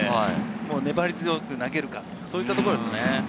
粘り強く投げるか、そういったところですね。